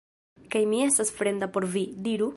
Kaj mi estas fremda por vi, diru?